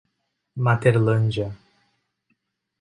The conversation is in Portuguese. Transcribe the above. Materlândia